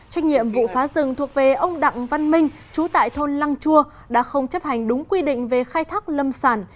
trách nhiệm vụ phá rừng thuộc về ông đặng văn minh chú tại thôn lăng chua đã không chấp hành đúng quy định về khai thác lâm sản